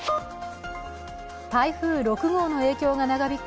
台風６号の影響が長引く